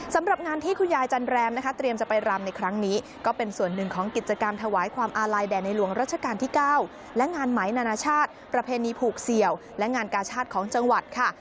สำหรับงานที่คุณยายจันแรมนะคะเตรียมจะไปรำในครั้งนี้ก็เป็นส่วนหนึ่งของกิจกรรมถวายความอาลัยแด่ในหลวงรัชกาลที่๙และงานไหมนานาชาติประเพณีผูกเสี่ยวและงานกาชาติของจังหวัดค่ะ